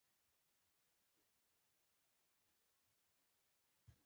خاویار له کسپین سمندر څخه ترلاسه کیږي.